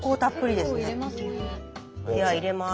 では入れます。